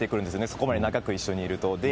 そこまで長く一緒にいると。